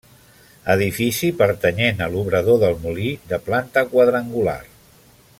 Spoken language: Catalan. Edifici pertanyent a l'obrador del molí de planta quadrangular.